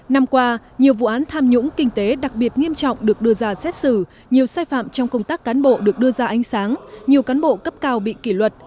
năm qua nhiều vụ án tham nhũng kinh tế đặc biệt nghiêm trọng được đưa ra xét xử nhiều sai phạm trong công tác cán bộ được đưa ra ánh sáng nhiều cán bộ cấp cao bị kỷ luật